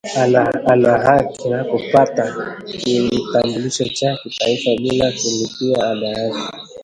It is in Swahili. ana haki ya kupata klitambuliso cha kitaifa bila kulipia ada yake